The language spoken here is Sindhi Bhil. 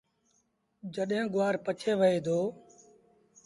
جڏهيݩ گُوآر پچي وهي دو۔